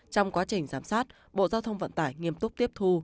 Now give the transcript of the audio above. trong quá trình giám sát bộ giao thông vận tải nghiêm túc tiếp thu